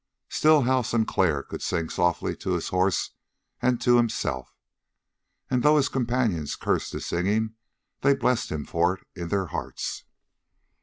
Still Hal Sinclair could sing softly to his horse and to himself; and, though his companions cursed his singing, they blessed him for it in their hearts.